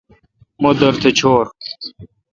مہ دورتھ چھور۔